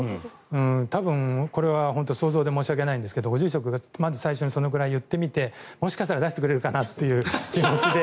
多分これは想像で申し訳ないんですがご住職がまず最初、それくらい言ってみてもしかしたら出してくれるかなという気持ちで。